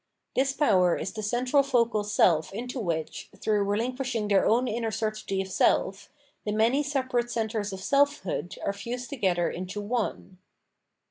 This power is the central focal seK into which, through relinquishing their own inner certainty of seK, the many separate centres of seK hood are fused together into one.